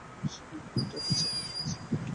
সেই বিজ্ঞাপনটি আবার ছাপা হয়েছে।